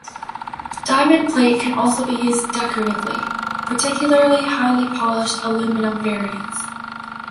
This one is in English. Diamond plate can also be used decoratively, particularly highly polished aluminum variants.